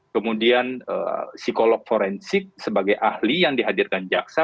kemudian psikolog forensik sebagai ahli yang dihadirkan jaksa